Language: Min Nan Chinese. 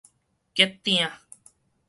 結鼎